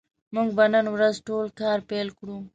موږ به نن ورځ نوی کار پیل کړو